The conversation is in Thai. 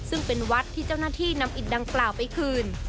ซึ่งเป็นวัดที่เจ้าหน้าที่นำอิตดังกล่าวไปคืน